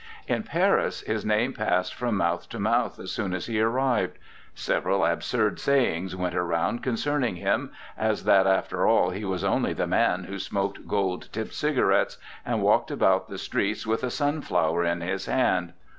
In Paris his name passed from mouth to mouth as soon as he arrived. Several absurd sayings went round concerning him, as that after all he was only the man who smoked gold tipped cigarettes, and walked about the streets with a sunflower in his hand.